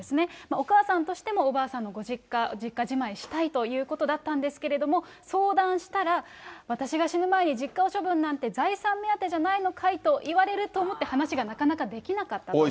お母さんとしても、おばあさんのご実家、実家じまいしたいということだったんですけれども、相談したら、私が死ぬ前に実家を処分なんて、財産目当てじゃないのかいと言われると思って、話がなかなかできなかったと。